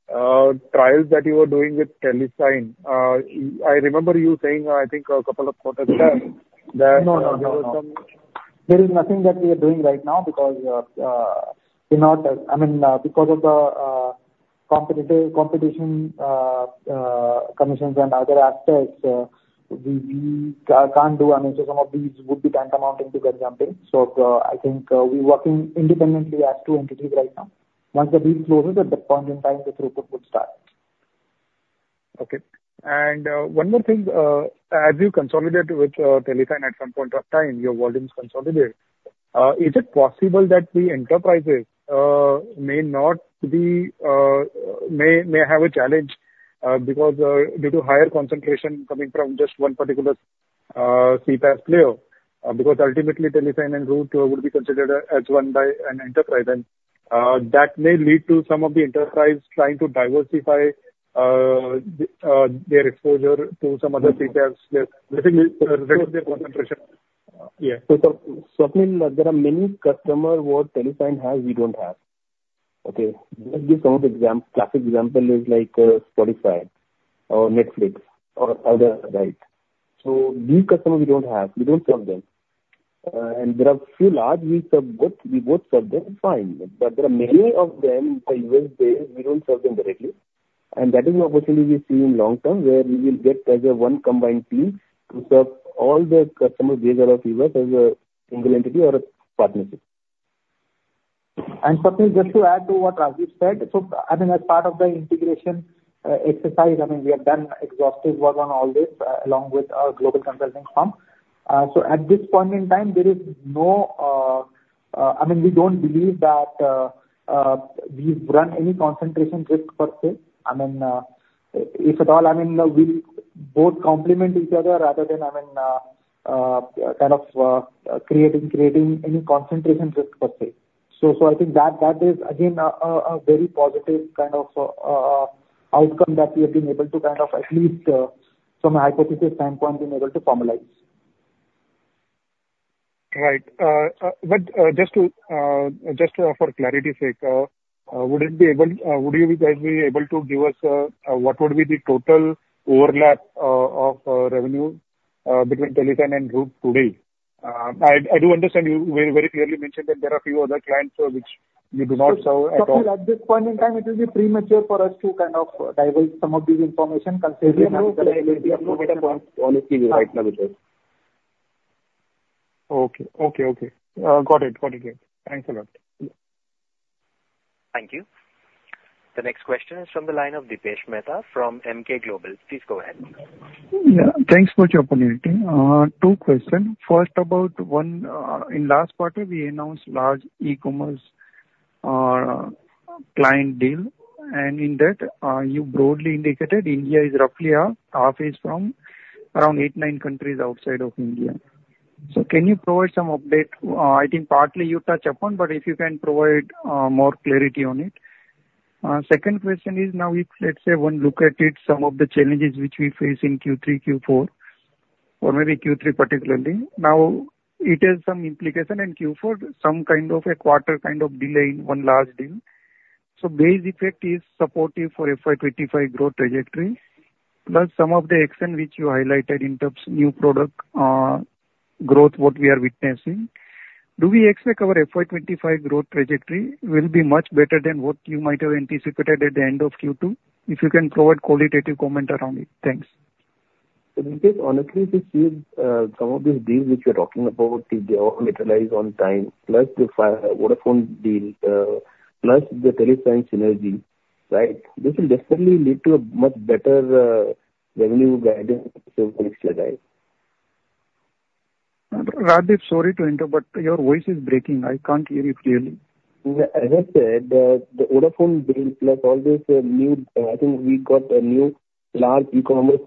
trials that you are doing with Telesign? I remember you saying, I think, a couple of quarters ago that- No, no, no, no. There was some. There is nothing that we are doing right now because we're not—I mean, because of the competition, commissions and other aspects, we can't do. I mean, so some of these would be tantamount to gun jumping. So, I think we're working independently as two entities right now. Once the deal closes, at that point in time, the throughput would start. Okay. And, one more thing, as you consolidate with Telesign at some point of time, your volumes consolidate, is it possible that the enterprises may not be, may have a challenge, because due to higher concentration coming from just one particular CPaaS player? Because ultimately, Telesign and Route will be considered as one by an enterprise, and that may lead to some of the enterprise trying to diversify their exposure to some other CPaaS players, reduce their concentration. Yeah. So Swapnil, there are many customer what Telesign has, we don't have, okay? Just give some example. Classic example is like, Spotify or Netflix or other, right? So these customers we don't have, we don't serve them. And there are a few large we serve, but we both serve them fine. But there are many of them, the U.S.-based, we don't serve them directly. And that is an opportunity we see in long term, where we will get as a one combined team to serve all the customers, whether of U.S., as a single entity or a partnership. And Swapnil, just to add to what Radjip said, so I mean, as part of the integration exercise, I mean, we have done exhaustive work on all this along with a global consulting firm. So at this point in time, there is no, I mean, we don't believe that we run any concentration risk per se. I mean, if at all, I mean, we both complement each other rather than, I mean, kind of creating any concentration risk per se. So I think that is again a very positive kind of outcome that we have been able to kind of at least from a hypothesis standpoint been able to formalize. Right. But just to, for clarity's sake, would you guys be able to give us what would be the total overlap of revenue between Telesign and Group today? I do understand you very, very clearly mentioned that there are a few other clients so which you do not serve at all. At this point in time, it will be premature for us to kind of divulge some of the information concerning *crosstalk* *crosstalk* Okay, okay. Got it. Got it. Thanks a lot. Thank you. The next question is from the line of Dipesh Mehta from Emkay Global. Please go ahead. Yeah, thanks for the opportunity. Two questions. First, about one, in last quarter, we announced large e-commerce client deal, and in that, you broadly indicated India is roughly half, half is from around eight, nine countries outside of India. So can you provide some update? I think partly you touched upon, but if you can provide more clarity on it. Second question is, now if, let's say, one look at it, some of the challenges which we face in Q3, Q4, or maybe Q3 particularly. Now it has some implication in Q4, some kind of a quarter kind of delay in one large deal. So base effect is supportive for FY 2025 growth trajectory, plus some of the action which you highlighted in terms of new product growth, what we are witnessing. Do we expect our FY 25 growth trajectory will be much better than what you might have anticipated at the end of Q2? If you can provide qualitative comment around it. Thanks. Dipesh, honestly, this is some of these deals which you're talking about, if they all materialize on time, plus the Vodafone deal, plus the Telesign synergy, right? This will definitely lead to a much better revenue guidance for next fiscal. Rajdip, sorry to interrupt, but your voice is breaking. I can't hear you clearly. Yeah. As I said, the Vodafone deal, plus all this new. I think we got a new large e-commerce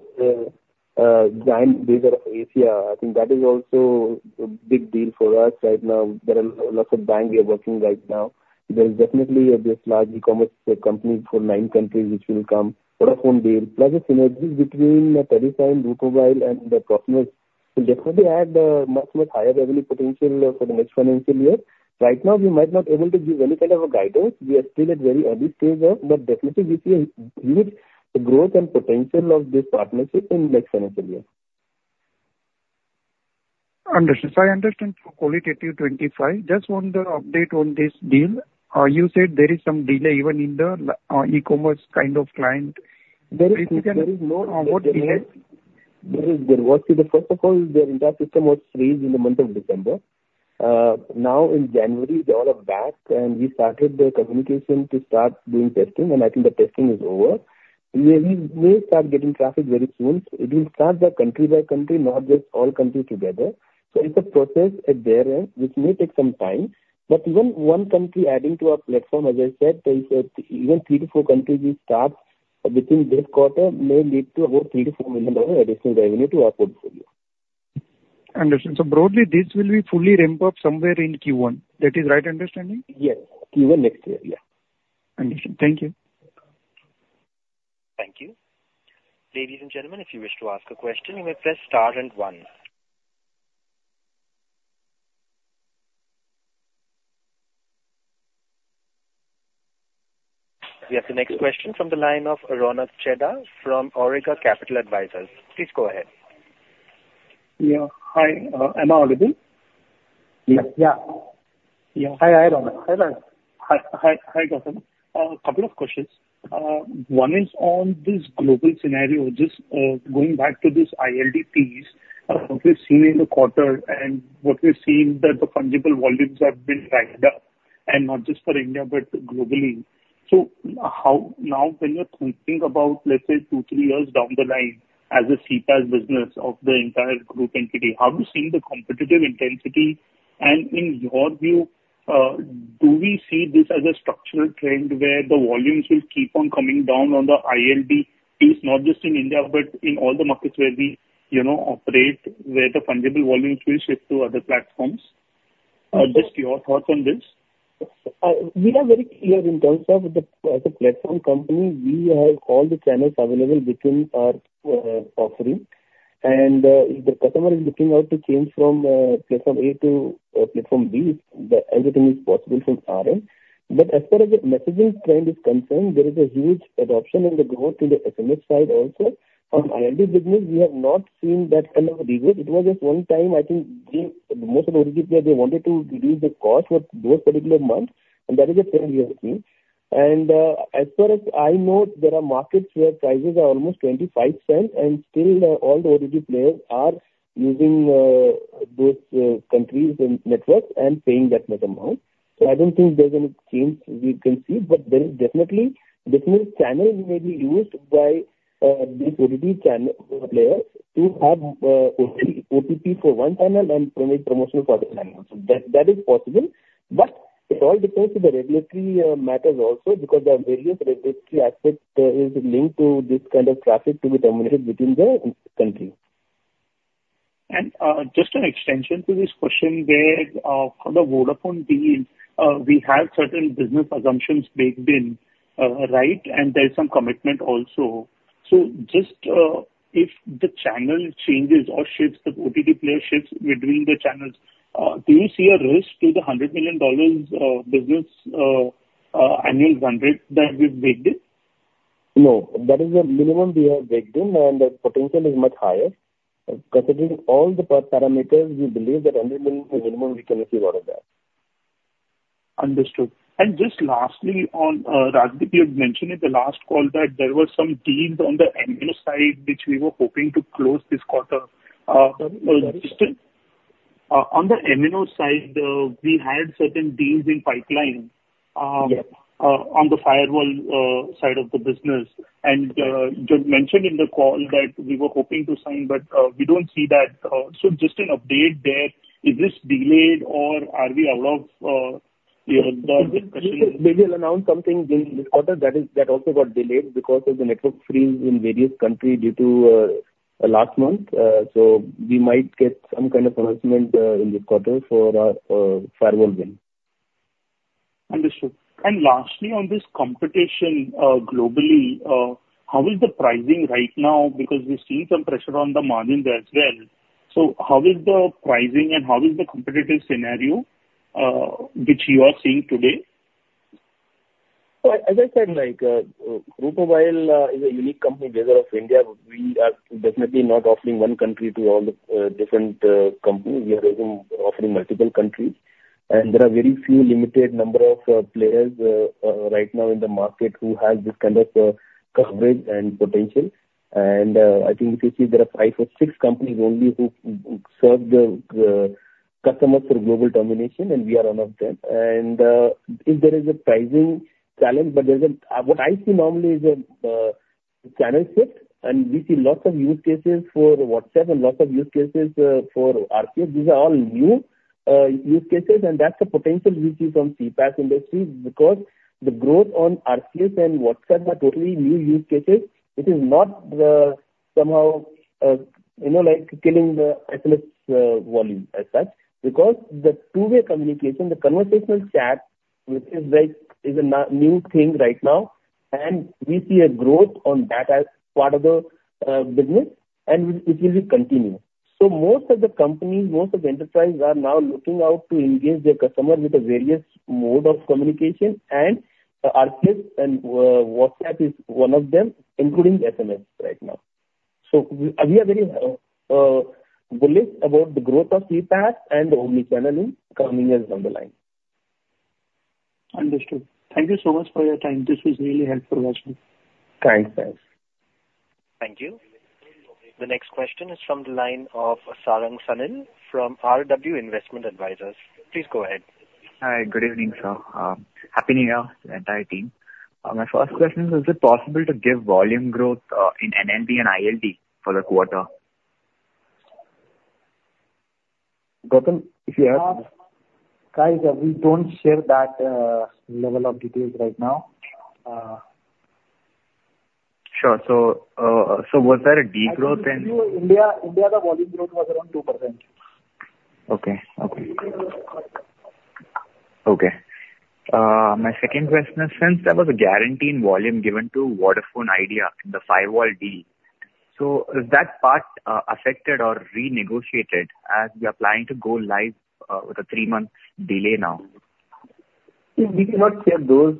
giant based in Asia. I think that is also a big deal for us right now. There are lots of banks we are working right now. There is definitely this large e-commerce company for nine countries which will come. Vodafone deal, plus the synergies between Telesign, Route Mobile and the Proximus will definitely add much, much higher revenue potential for the next financial year. Right now, we might not be able to give any kind of a guidance. We are still at very early stage, but definitely we see a huge growth and potential of this partnership in next financial year. Understood. So I understand qualitative 25. Just want the update on this deal. You said there is some delay even in the e-commerce kind of client. There is no. What delay? There is, there was. So first of all, their entire system was frozen in the month of December. Now, in January, they all are back, and we started the communication to start doing testing, and I think the testing is over. We may start getting traffic very soon. It will start by country by country, not just all countries together. So it's a process at their end, which may take some time, but even one country adding to our platform, as I said, there is even three to four countries we start within this quarter may lead to about $3 million-$4 million additional revenue to our portfolio. Understood. So broadly, this will be fully ramped up somewhere in Q1. That is right understanding? Yes. Q1 next year. Yeah. Understood. Thank you. Thank you. Ladies and gentlemen, if you wish to ask a question, you may press star and one. We have the next question from the line of Ronak Chheda from Awriga Capital Advisors. Please go ahead. Yeah. Hi, am I audible? Yeah. Yeah. Yeah. Hi, hi, Ronak. Hi, Ronak. Hi. Hi, hi, Gautam. Couple of questions. One is on this global scenario, just going back to this ILDs, what we've seen in the quarter and what we've seen that the fungible volumes have been dragged up, and not just for India, but globally. So how. Now, when you're thinking about, let's say, two, three years down the line, as a CPaaS business of the entire group entity, how do you see the competitive intensity? And in your view, do we see this as a structural trend where the volumes will keep on coming down on the ILD, is not just in India, but in all the markets where we, you know, operate, where the fungible volumes will shift to other platforms? Just your thoughts on this. We are very clear in terms of the, as a platform company, we have all the channels available between our offering. And if the customer is looking out to change from platform A to platform B, the anything is possible from our end. But as far as the messaging trend is concerned, there is a huge adoption and the growth in the SMS side also. On ILD business, we have not seen that kind of a reverse. It was just one time, I think, most of the OTT players, they wanted to reduce the cost for those particular months, and that is a trend we have seen. And as far as I know, there are markets where prices are almost $0.25, and still, all the OTT players are using those countries and networks and paying that much amount. So I don't think there's any change we can see, but there is definitely different channels may be used by these OTT channel players to have OTP for one channel and promotional for other channels. So that is possible. But it all depends on the regulatory matters also, because there are various regulatory aspects is linked to this kind of traffic to be terminated between the countries. And, just an extension to this question, where, for the Vodafone deal, we have certain business assumptions baked in, right? And there's some commitment also. So just, if the channel changes or shifts, the OTT player shifts between the channels, do you see a risk to the $100 million business annual contract that we've baked in? No, that is the minimum we have baked in, and the potential is much higher. Considering all the parameters, we believe that $100 million is minimum we can achieve out of that. Understood. Just lastly on, Rajdip, you had mentioned in the last call that there were some deals on the MNO side, which we were hoping to close this quarter. On the MNO side, we had certain deals in pipeline, Yeah. On the firewall side of the business. And you mentioned in the call that we were hoping to sign, but we don't see that. So just an update there, is this delayed or are we out of, you know, the. We will announce something in this quarter that is that also got delayed because of the network freeze in various country due to last month. So we might get some kind of announcement in this quarter for our firewall win. Understood. Lastly, on this competition, globally, how is the pricing right now? Because we see some pressure on the margins as well. How is the pricing and how is the competitive scenario, which you are seeing today? So as I said, like, Route Mobile is a unique company based out of India. We are definitely not offering one country to all the different companies. We are offering multiple countries, and there are very few limited number of players right now in the market who have this kind of coverage and potential. And I think if you see, there are five or six companies only who serve the customers for global termination, and we are one of them. And if there is a pricing challenge, but there's a. What I see normally is a channel shift, and we see lots of use cases for WhatsApp and lots of use cases for RCS. These are all new use cases, and that's the potential we see from CPaaS industry, because the growth on RCS and WhatsApp are totally new use cases. It is not somehow, you know, like killing the SMS volume as such. Because the two-way communication, the conversational chat, which is like is a new thing right now, and we see a growth on that as part of the business, and it will be continuous. So most of the companies, most of the enterprises, are now looking out to engage their customer with the various mode of communication, and RCS and WhatsApp is one of them, including SMS right now. So we are very bullish about the growth of CPaaS and omnichannel in coming years down the line. Understood. Thank you so much for your time. This was really helpful, Rajdip. Thanks, guys. Thank you. The next question is from the line of Sarang Sanil from RW Investment Advisors. Please go ahead. Hi. Good evening, sir. Happy New Year, the entire team. My first question is, is it possible to give volume growth in NLD and ILD for the quarter? Gautam, if you have. Guys, we don't share that level of details right now. Sure. So, was there a de-growth in. I can tell you India, India, the volume growth was around 2%. My second question is, since there was a guarantee in volume given to Vodafone Idea, the firewall deal, so is that part affected or renegotiated as you are planning to go live with a three-month delay now? We cannot share those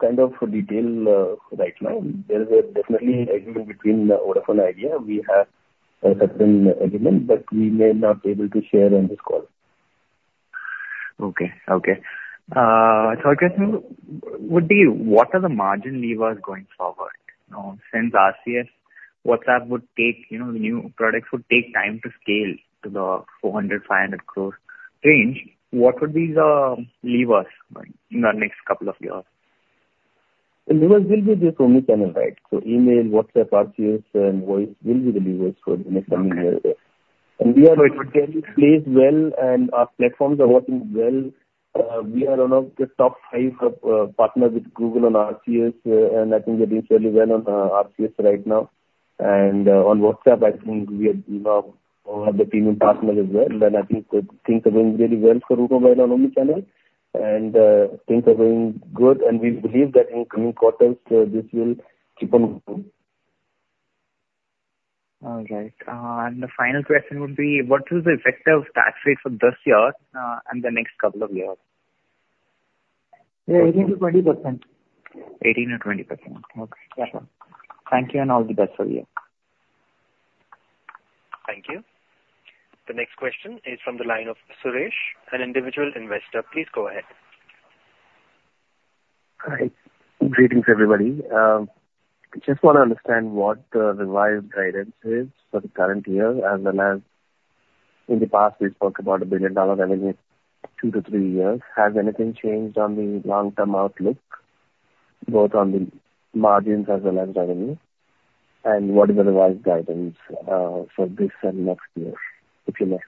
kind of detail right now. There is a definite agreement between Vodafone Idea. We have a certain agreement, but we may not be able to share on this call. Okay. Okay. My third question would be, what are the margin levers going forward? Since RCS, WhatsApp would take, you know, the new products would take time to scale to the 400-500 crore range, what would be the levers in the next couple of years? The levers will be the omnichannel, right? So email, WhatsApp, RCS and voice will be the levers for the next coming year. And we are placed well, and our platforms are working well. We are one of the top five partners with Google on RCS, and I think we're doing fairly well on RCS right now. And on WhatsApp, I think we are now one of the premium partners as well. And I think things are going really well for Route Mobile on omnichannel, and things are going good, and we believe that in coming quarters this will keep on growing. All right. The final question would be: What is the effective tax rate for this year, and the next couple of years? Yeah, 18%-20%. 18%-20%. Okay. Yeah. Thank you, and all the best for you. Thank you. The next question is from the line of Suresh, an individual investor. Please go ahead. Hi. Greetings, everybody. Just want to understand what the revised guidance is for the current year, and then as in the past, we spoke about a billion-dollar revenue, two to three years. Has anything changed on the long-term outlook, both on the margins as well as revenue? And what is the revised guidance for this and next year, if you may?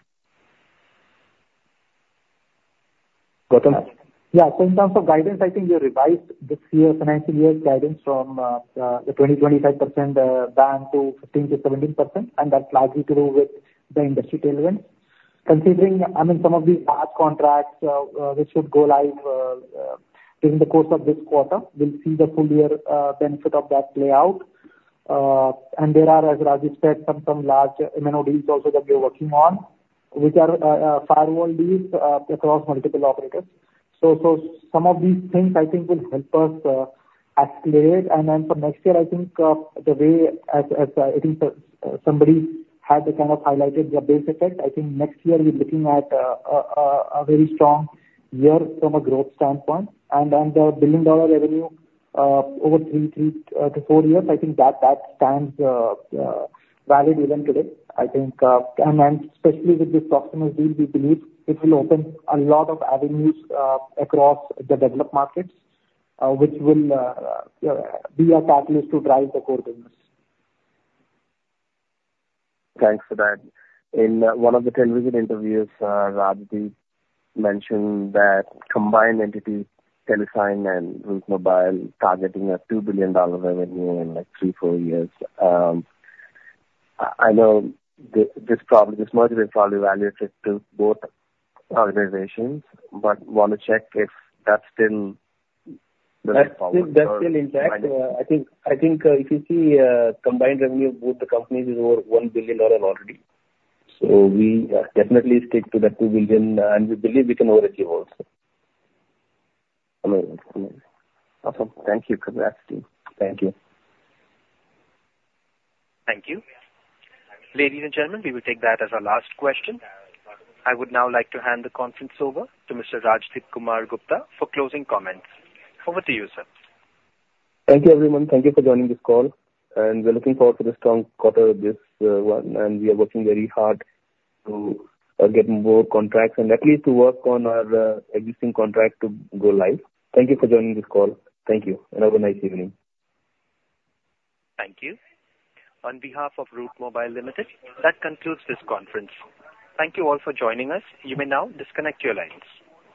Got it. Yeah, so in terms of guidance, I think we revised this year, financial year guidance from the 25%, down to 15%-17%, and that's largely to do with the industry headwind. Considering, I mean, some of these large contracts which should go live during the course of this quarter, we'll see the full year benefit of that play out. And there are, as Rajdip said, some large MNO deals also that we are working on, which are firewall deals across multiple operators. So some of these things I think will help us accelerate. Then for next year, I think, the way, as I think, somebody had kind of highlighted the base effect, I think next year we're looking at a very strong year from a growth standpoint. And then the billion-dollar revenue over three to four years, I think that stands valid even today. I think. And especially with this Proximus deal, we believe it will open a lot of avenues across the developed markets, which will be a catalyst to drive the core business. Thanks for that. In one of the television interviews, Rajdip mentioned that combined entity, Telesign and Route Mobile, targeting a $2 billion revenue in like three, four years. I know this probably, this merger is probably evaluated to both organizations, but want to check if that's still the case forward? That's still intact. I think if you see, combined revenue of both the companies is over $1 billion already. So we definitely stick to the $2 billion, and we believe we can overachieve also. Amazing. Amazing. Awesome. Thank you. Congrats to you. Thank you. Thank you. Ladies and gentlemen, we will take that as our last question. I would now like to hand the conference over to Mr. Rajdipkumar Gupta for closing comments. Over to you, sir. Thank you, everyone. Thank you for joining this call, and we're looking forward to the strong quarter, this one, and we are working very hard to get more contracts and likely to work on our existing contract to go live. Thank you for joining this call. Thank you, and have a nice evening. Thank you. On behalf of Route Mobile Limited, that concludes this conference. Thank you all for joining us. You may now disconnect your lines.